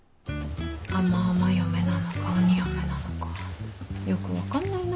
甘々嫁なのか鬼嫁なのかよく分かんないな